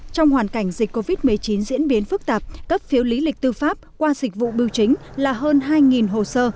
trong hoàn cảnh dịch covid một mươi chín diễn biến phức tạp cấp phiếu lý lịch tư pháp qua dịch vụ biểu chính là hơn hai hồ sơ